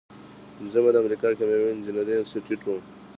پنځمه د امریکا د کیمیاوي انجینری انسټیټیوټ و.